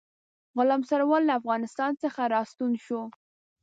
غلام سرور له افغانستان څخه را ستون شو.